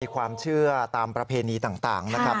ความเชื่อตามประเพณีต่างนะครับ